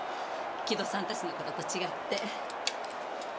城戸さんたちの頃と違って。